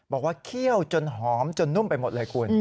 เคี่ยวจนหอมจนนุ่มไปหมดเลยคุณ